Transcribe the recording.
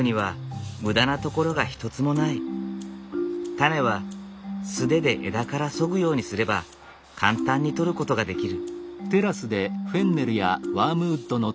タネは素手で枝からそぐようにすれば簡単に取ることができる。